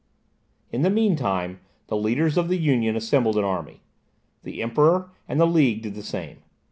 In the mean time, the leaders of the Union assembled an army; the Emperor and the League did the same.